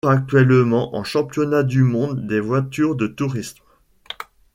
Il court actuellement en championnat du monde des voitures de tourisme.